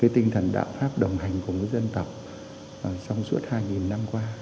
tinh thần đạo pháp đồng hành cùng với dân tộc trong suốt hai năm qua